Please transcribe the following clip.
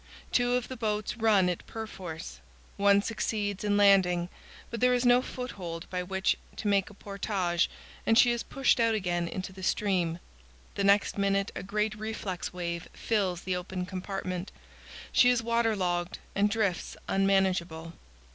Two of the boats run it perforce. One succeeds in landing, but there is no foothold by which to make a portage and she is pushed out again into 256 CANYONS OF THE COLORADO. the stream. The next minute a great reflex wave fills the open compartment; she is water logged, and drifts unmanageable.